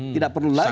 tidak perlu lagi sih